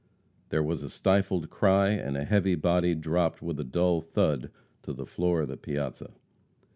There was a stifled cry, and a heavy body dropped with a dull thud to the floor of the piazza.